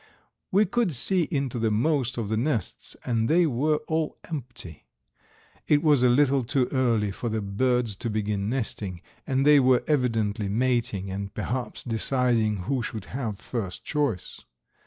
We could see into the most of the nests, and they were all empty. It was a little too early for the birds to begin nesting, and they were evidently mating and perhaps deciding who should have first choice.